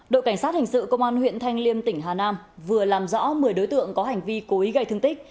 đội cảnh sát hình sự công an huyện thanh liêm tỉnh hà nam vừa làm rõ một mươi đối tượng có hành vi cố ý gây thương tích